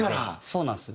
そうなんです。